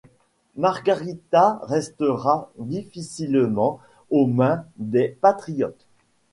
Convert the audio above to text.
Margarita restera définitivement aux mains des patriotes.